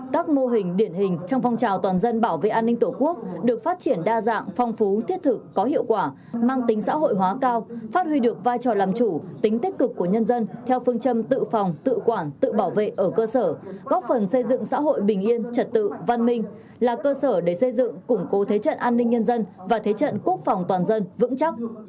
các mô hình điển hình trong phong trào toàn dân bảo vệ an ninh tổ quốc được phát triển đa dạng phong phú thiết thực có hiệu quả mang tính xã hội hóa cao phát huy được vai trò làm chủ tính tích cực của nhân dân theo phương châm tự phòng tự quản tự bảo vệ ở cơ sở góp phần xây dựng xã hội bình yên trật tự văn minh là cơ sở để xây dựng củng cố thế trận an ninh nhân dân và thế trận quốc phòng toàn dân vững chắc